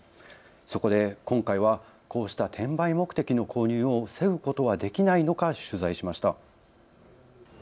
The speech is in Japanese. そこで今回はこうした転売目的の購入を防ぐことはできないのか取材しました。